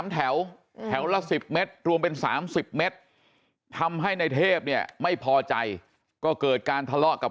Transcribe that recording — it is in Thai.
แถวแถวละ๑๐เมตรรวมเป็น๓๐เมตรทำให้ในเทพเนี่ยไม่พอใจก็เกิดการทะเลาะกับ